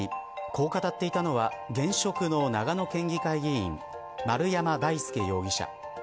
こう語っていたのは現職の長野県議会議員丸山大輔容疑者。